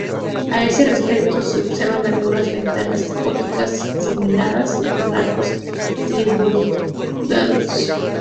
A este respecto, se observan algunas ventanas góticas geminadas y con arcos trilobulados.